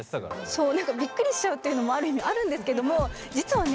そうびっくりしちゃうっていうのもある意味あるんですけども実はね